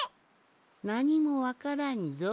なにもわからんぞい。